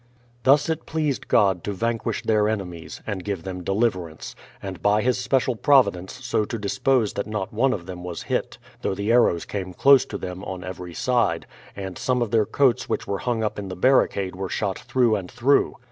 Thus it pleased God to vanquish their enemies, and give them deliverance ; and by His special providence so to dis pose that not one of them was hit, though the arrows came close to them, on every side, and some of their coats which were hung up in the barricade were shot through and through.